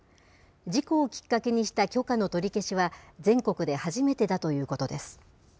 事故をきっかけにした許可の取り消しは、全国で初めてだということです。